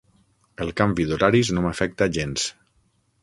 El canvi d'horaris no m'afecta gens.